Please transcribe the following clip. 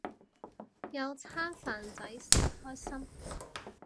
有餐飯仔食，開心